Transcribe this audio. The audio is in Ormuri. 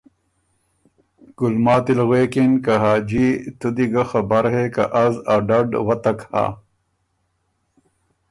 ګُلماتی ل غوېکِن که ”حاجي تُو دی ګه خبر هې که از ا ډډ وتک هۀ